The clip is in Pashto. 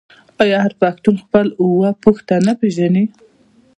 آیا هر پښتون خپل اوه پيښته نه پیژني؟